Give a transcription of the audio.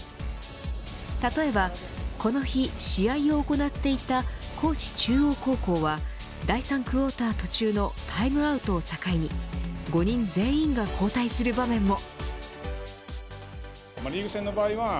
例えばこの日試合を行っていた高知中央高校は第３クオーター途中のタイムアウトを境に５人全員が交代する場面も。